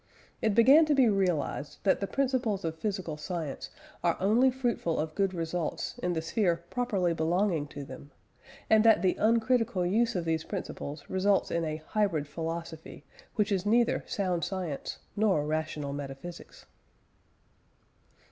It began to be realised that the principles of physical science are only fruitful of good results in the sphere properly belonging to them; and that the uncritical use of these principles results in a hybrid philosophy, which is neither sound science nor rational metaphysics.